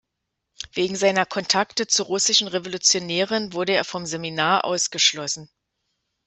Wegen seiner Kontakte zu russischen Revolutionären wurde er vom Seminar ausgeschlossen.